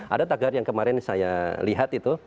ada tagar yang kemarin saya lihat itu